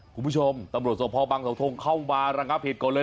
คุณผู้ชมตำรวจส่วนพ่อบางเสาทงเข้ามารังภิษฐ์ก่อนเลย